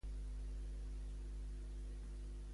S'han establert marques conegudes com a Abacus i Mango.